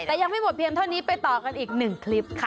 แต่ยังไม่หมดเพียงเท่านี้ไปต่อกันอีกหนึ่งคลิปค่ะ